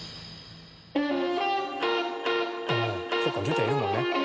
そっかギターいるもんね。